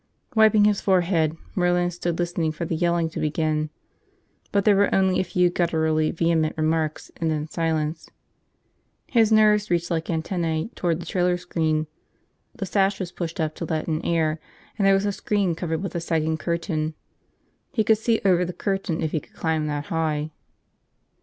... Wiping his forehead, Merlin stood listening for the yelling to begin; but there were only a few gutturally vehement remarks and then silence. His nerves reached like antennae toward the trailer window. The sash was pushed out to let in air and there was a screen covered with a sagging curtain. He could see over the curtain if he could climb that high.